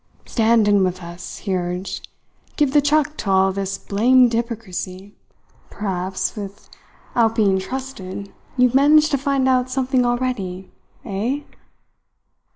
"Stand in with us," he urged. "Give the chuck to all this blamed 'yporcrisy. Perhaps, without being trusted, you have managed to find out something already, eh?"